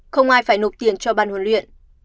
không ai phải nộp tiền cho ban huấn luyện